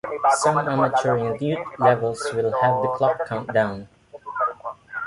Some amateur and youth levels will have the clock count down.